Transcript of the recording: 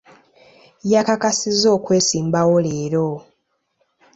Yakakasizza okwesimbawo leero.